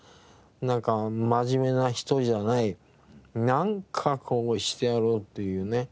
なんか真面目な人じゃないなんかこうしてやろうっていうね